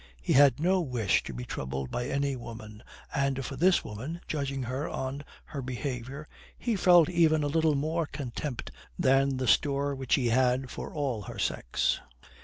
He had no wish to be troubled by any woman, and for this woman, judging her on her behaviour, he felt even a little more contempt than the store which he had for all her sex.